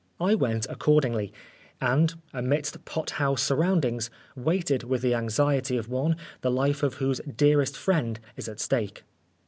I went accordingly, and, amidst pothouse surround ings, waited \vith the anxiety of one, the life of whose dearest friend is at stake.